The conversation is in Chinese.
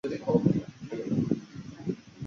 松木宗显。